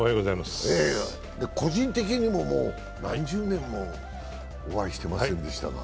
個人的にも何十年もお会いしてませんでしたが。